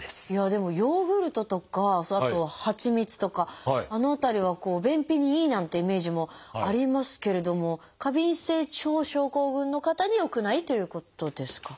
でもヨーグルトとかあとはちみつとかあの辺りは便秘にいいなんていうイメージもありますけれども過敏性腸症候群の方によくないということですか？